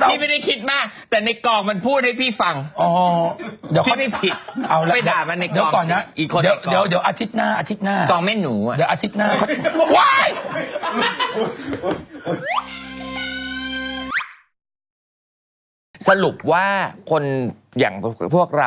เราไม่รู้ด้วยพวกเรา